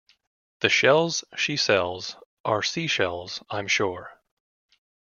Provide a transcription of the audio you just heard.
The shells she sells are sea-shells, I'm sure.